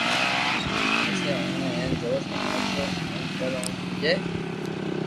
پسي اوني ھين روز ھماجو ھون پر او ھمجي